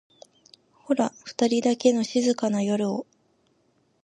ホラふたりだけの静かな夜を